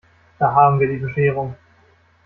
Da haben wir die Bescherung!